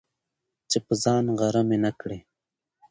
چي په ځان غره مي نه کړې،